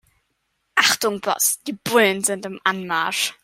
Achtung Boss, die Bullen sind im Anmarsch.